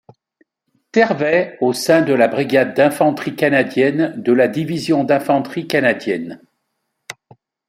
Il servait au sein de la Brigade d'infanterie canadienne de la Division d'infanterie canadienne.